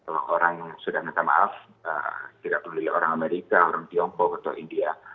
kalau orang sudah minta maaf tidak peduli orang amerika orang tiongkok atau india